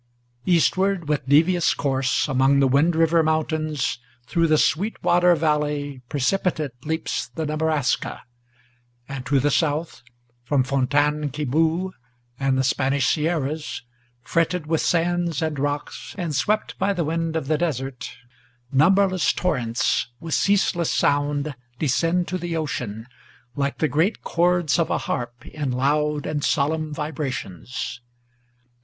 Eastward, with devious course, among the Windriver Mountains, Through the Sweet water Valley precipitate leaps the Nebraska; And to the south, from Fontaine qui bout and the Spanish sierras, Fretted with sands and rocks, and swept by the wind of the desert, Numberless torrents, with ceaseless sound, descend to the ocean, Like the great chords of a harp, in loud and solemn vibrations.